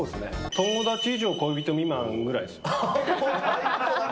友達以上恋人未満ぐらいです。